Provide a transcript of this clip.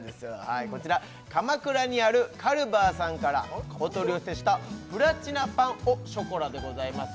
はいこちら鎌倉にあるＣＡＬＶＡさんからお取り寄せしたプラチナパン・オ・ショコラでございます